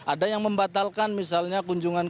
ada yang membatalkan misalnya kunjungan